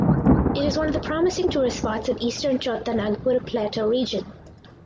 It is one of the promising tourist spots of Eastern Chota Nagpur Plateau region.